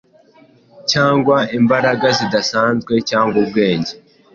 cyangwa imbaraga zidasanzwe, cyangwa ubwenge,